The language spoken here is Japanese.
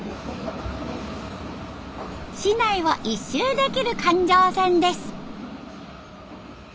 市内を一周できる環状線です。